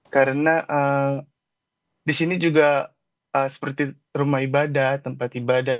karena di sini juga seperti rumah ibadah tempat ibadah